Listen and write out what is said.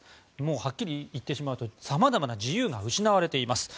はっきり言ってしまうとさまざまな自由が失われています。